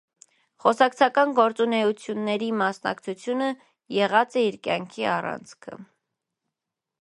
Կուսակցական գործունէութիւններու մասնակցութիւնը եղած է իր կեանքի առանցքը։